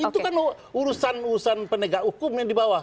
itu kan urusan urusan pendegag hukum yang dibawah